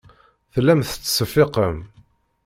Tellam tettseffiqem.